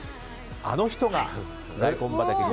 あの人が大根畑に。